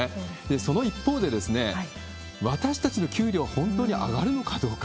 その一方で、私たちの給料、本当に上がるのかどうか。